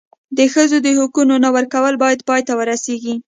د ښځو د حقونو نه ورکول باید پای ته ورسېږي.